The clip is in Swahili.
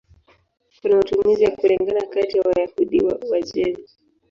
Kuna matumizi ya kulingana kati ya Wayahudi wa Uajemi.